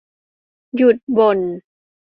หยุดบ่น